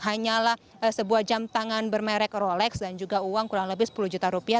hanyalah sebuah jam tangan bermerek rolex dan juga uang kurang lebih sepuluh juta rupiah